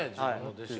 弟子が。